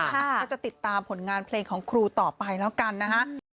ก็จะติดตามผลงานเพลงของครูต่อไปแล้วกันนะฮะ